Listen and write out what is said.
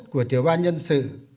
của tiểu ban nhân sự